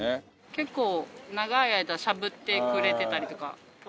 結構長い間しゃぶってくれてたりとかしますね。